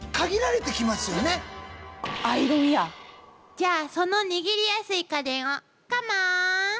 じゃあその握りやすい家電をカモン！